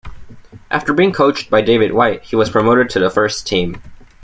After being coached by David White he was promoted to the first team.